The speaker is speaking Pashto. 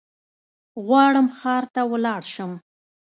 غواړم ښار ته ولاړشم